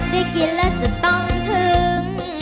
ได้กินแล้วจะต้องถึง